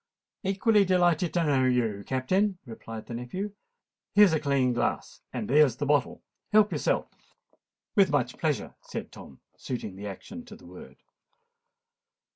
"Equally delighted to know you, Captain," replied the nephew. "Here's a clean glass—and there's the bottle. Help yourself." "With much pleasure," said Tom, suiting the action to the word.